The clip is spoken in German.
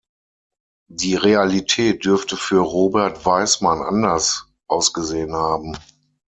Die Realität dürfte für Robert Weismann anders ausgesehen haben.